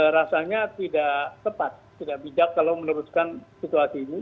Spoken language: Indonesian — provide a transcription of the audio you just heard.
rasanya tidak tepat tidak bijak kalau meneruskan situasi ini